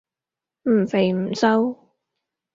唔肥唔瘦